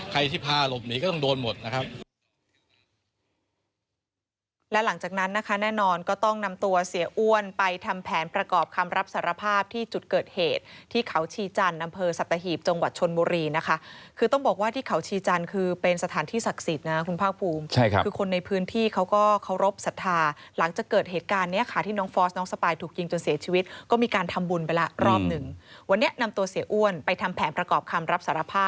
ใครที่พาหลบหนีก็ต้องโดนหมดนะครับ